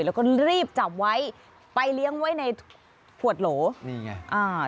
แล้วก็รีบจับไว้ไปเลี้ยงไว้ในขวดโหลนี่ไงอ่า